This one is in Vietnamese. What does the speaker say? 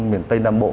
miền tây nam bộ